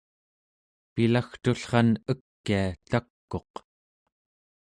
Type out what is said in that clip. pilagtullran ekia tak'uq